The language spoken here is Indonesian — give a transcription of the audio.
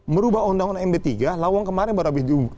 merubah undang undang md tiga lawang kemarin baru habis diungkap